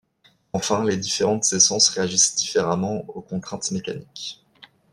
Enfin, les différentes essences réagissent différemment aux contraintes mécaniques.